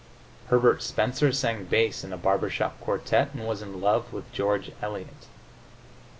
Herbert Spencer sang bass in a barber shop quartette and was in love with George Eliot.